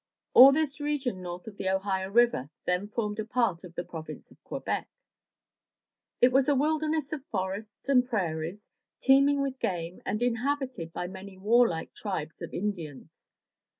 All this region north of the Ohio River then formed a part of the Province of Quebec. It was a wilderness of forests and prairies, teeming with game, and inhabited by many warlike tribes of In dians.